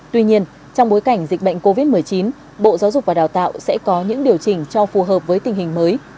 tuy nhiên trong bối cảnh dịch bệnh covid một mươi chín bộ giáo dục và đào tạo sẽ có những điều chỉnh cho phù hợp với tình hình mới